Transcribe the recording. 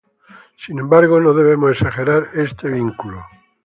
Sin embargo no debemos exagerar este vínculo.